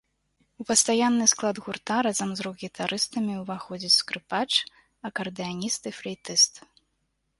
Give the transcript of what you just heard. У пастаянны склад гурта, разам з рок-гітарыстамі, уваходзіць скрыпач, акардэаніст і флейтыст.